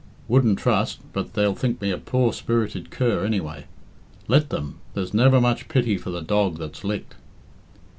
Wouldn't trust, but they'll think me a poor spirited cur, anyway. Let them there's never much pity for the dog that's licked."